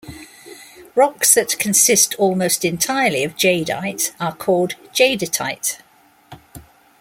Rocks that consist almost entirely of jadeite are called jadeitite.